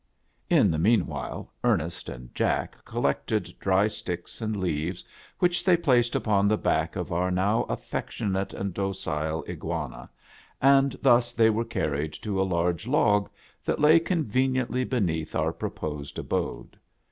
In the mean while Ernest and Jack collected dry sticks and leaves, which they placed upon the back of our now affectionate and docile Iguana, and thus they were carried to a large log that lay conveniently beneath our proposed abode.